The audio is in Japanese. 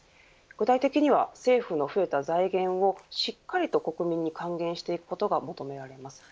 具体的には政府の増えた財源をしっかりと国民に還元していくことが求められます。